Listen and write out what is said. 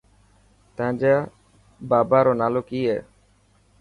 تانجي بابا رو نالو ڪي هي.